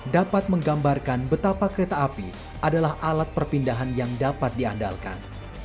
dapat menggambarkan betapa kereta api adalah alat perpindahan yang dapat diandalkan